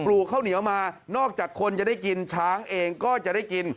ลูกข้าวเหนียวมานอกจากคนจะได้กินช้างเองก็จะได้กิน